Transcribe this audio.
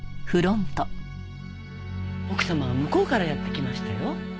奥様は向こうからやって来ましたよ。